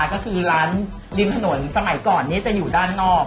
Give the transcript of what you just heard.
ก็คือร้านริมถนนสมัยก่อนนี้จะอยู่ด้านนอก